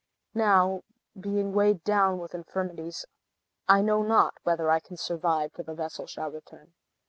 Now, being weighed down with infirmities, I know not whether I can survive till the vessel shall return.